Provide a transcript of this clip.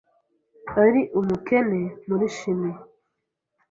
Ari umukene muri chimie.